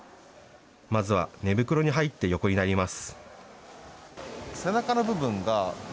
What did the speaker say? まずは寝袋に入って横になります。